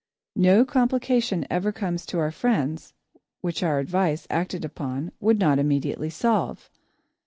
No complication ever comes to our friends, which our advice, acted upon, would not immediately solve.